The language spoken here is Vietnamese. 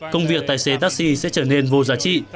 công việc tài xế taxi sẽ trở nên vô giá trị